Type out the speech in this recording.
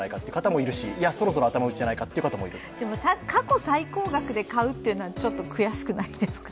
過去最高額で買うというのは、ちょっと悔しくないですか？